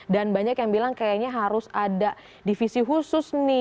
dan banyak yang bilang kayaknya harus ada divisi khusus nih